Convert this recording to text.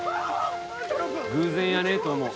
偶然やねえと思う。